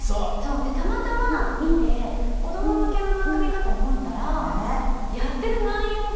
でたまたま見て子ども向けの番組かと思ったらやってる内容が。